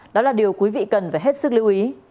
đó là điều quý vị cần phải hết sức lưu ý